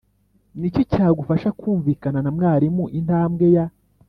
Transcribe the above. Ni iki cyagufasha kumvikana na mwarimu Intambwe ya